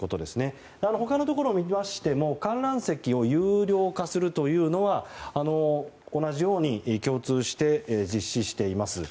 他のところを見ましても観覧席を有料化するというのは同じように共通して実施しています。